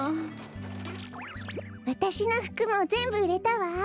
わたしのふくもぜんぶうれたわ。